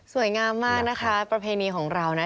งามมากนะคะประเพณีของเรานะ